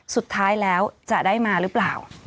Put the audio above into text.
สุดท้ายแล้วจะได้มาหรือเปล่า